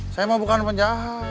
saya mah bukan penjahat